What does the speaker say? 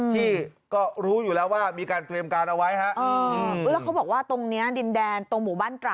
ที่ก็รู้อยู่แล้วว่ามีการเตรียมการเอาไว้ฮะแล้วเขาบอกว่าตรงเนี้ยดินแดนตรงหมู่บ้านตระ